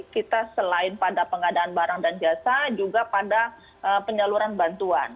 kita selain pada pengadaan barang dan jasa juga pada penyaluran bantuan